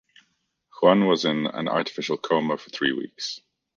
Juan was in an artificial coma for three weeks.